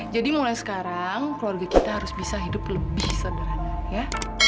jadi mulai sekarang keluarga kita harus bisa hidup lebih sederhana ya